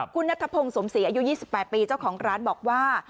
คุณนัทพงศ์สมศรีอายุ๒๘ปีเจ้าของร้านบอกว่า